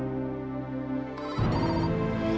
oh ini lagi